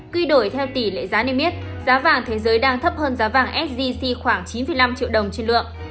quy đổi theo tỷ lệ giá niêm yết giá vàng thế giới đang thấp hơn giá vàng sgc khoảng chín năm triệu đồng trên lượng